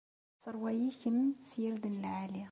Isseṛway-ikem s yirden lɛali.